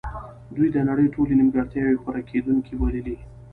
دوی د نړۍ ټولې نیمګړتیاوې پوره کیدونکې بللې